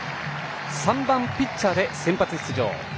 ３番、ピッチャーで先発出場。